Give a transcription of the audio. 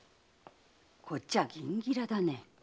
こっちはギンギラだね。